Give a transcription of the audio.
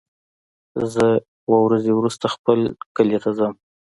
زه اووه ورځې وروسته خپل کلی ته ځم.